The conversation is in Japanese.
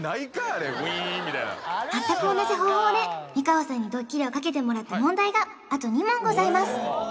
まったく同じ方法で美川さんにドッキリをかけてもらった問題があと２問ございます